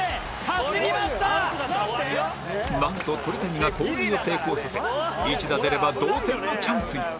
なんと鳥谷が盗塁を成功させ一打出れば同点のチャンスに